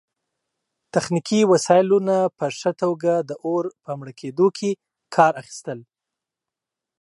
تخنیکي وسایلو نه په ښه توګه د اور په مړه کیدو کې کار اخیستل